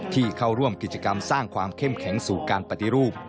ที่เข้าร่วมกิจกรรมสร้างความเข้มแข็งสู่การปฏิรูป